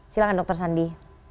silahkan dr sandi